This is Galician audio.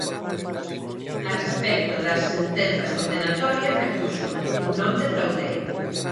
A respecto das sentenzas condenatorias, repuxo: Non defraudei.